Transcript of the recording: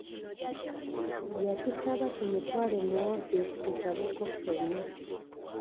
Yatusaba tumutwale mu woofiisi tusabeko ffenna.